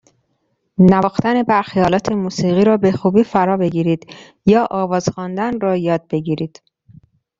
نواختن برخی آلات موسیقی را به خوبی فرابگیرید یا آواز خواندن یاد بگیرید.